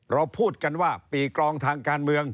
เราพูดกันว่าปีกรองทางการเมือง